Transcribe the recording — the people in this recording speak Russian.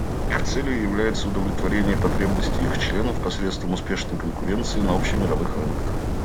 Их целью является удовлетворение потребностей их членов посредством успешной конкуренции на общемировых рынках.